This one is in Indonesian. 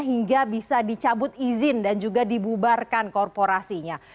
hingga bisa dicabut izin dan juga dibubarkan korporasinya